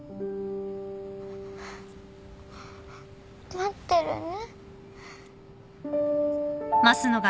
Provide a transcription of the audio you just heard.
待ってるね。